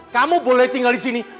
kamu boleh tinggal disini